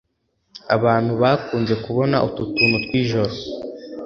abantu bakunze kubona utu tuntu twijoro